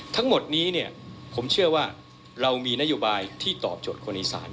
ทั้งหมดนี้ผมเชื่อว่าเรามีนโยบายที่ตอบโจทย์คนอีสาน